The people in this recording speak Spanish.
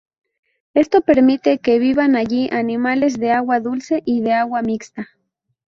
Esto permite que vivan allí animales de agua dulce y de agua mixta.